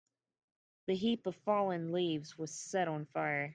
The heap of fallen leaves was set on fire.